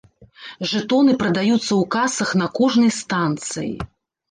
Жэтоны прадаюцца ў касах на кожнай станцыі.